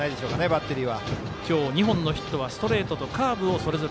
バッテリー。